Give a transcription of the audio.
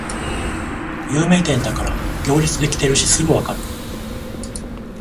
有名店だから行列できてるしすぐわかる